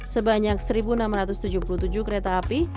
sebanyak satu enam ratus tujuh puluh tujuh kereta api